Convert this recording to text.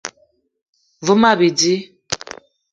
Ve ma bidi